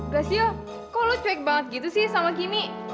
galassio kok lo cuek banget gitu sih sama kimi